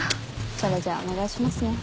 それじゃあお願いしますね。